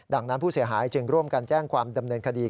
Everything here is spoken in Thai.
ดังนั้นผู้เสียหายจึงร่วมกันแจ้งความดำเนินคดี